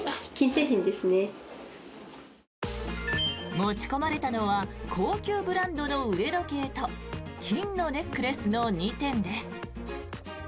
持ち込まれたのは高級ブランドの腕時計と金のネックレスの２点です。